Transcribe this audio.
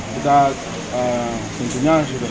kita tentunya sudah selesai